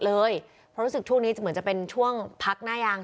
เลยเพราะรู้สึกช่วงนี้เหมือนจะเป็นช่วงพักหน้ายาง